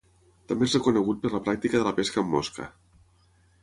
També és reconegut per la pràctica de la pesca amb mosca.